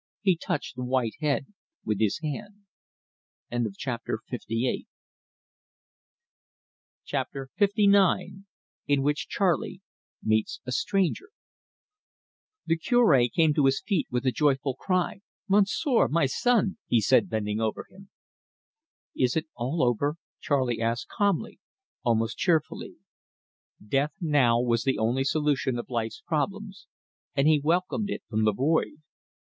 He touched the white head with his hand. CHAPTER LIX. IN WHICH CHARLEY MEETS A STRANGER The Cure came to his feet with a joyful cry. "Monsieur my son," he said, bending over him. "Is it all over?" Charley asked calmly, almost cheerfully. Death now was the only solution of life's problems, and he welcomed it from the void.